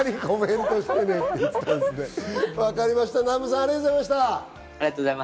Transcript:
南部さん、ありがとうございました。